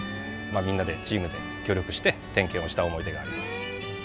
みんなでチームで協力して点検をした思い出があります。